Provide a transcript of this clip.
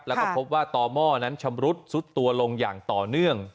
แล้วก็พบว่าต่อหม้อนั้นชำรุดซุดตัวลงอย่างต่อเนื่อง